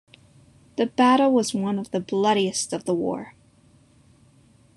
The battle was one of the bloodiest of the war.